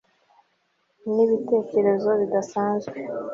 Nibitekerezo bidasanzwe